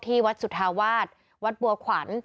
ที่วัดสุธาวาสวัดบัวขวัญ